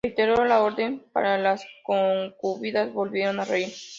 Reiteró la orden, pero las concubinas volvieron a reír.